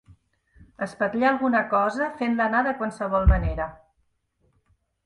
Espatllar alguna cosa fent-la anar de qualsevol manera.